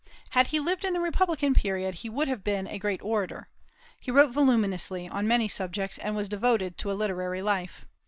Had he lived in the republican period, he would have been a great orator. He wrote voluminously, on many subjects, and was devoted to a literary life.